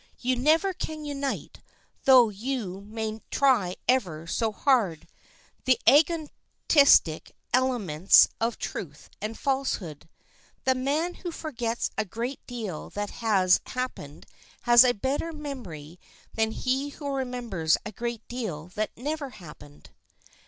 You never can unite, though you may try ever so hard, the antagonistic elements of truth and falsehood. The man who forgets a great deal that has happened has a better memory than he who remembers a great deal that never happened.